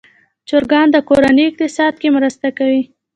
چرګان د کورنۍ اقتصاد کې مرسته کوي.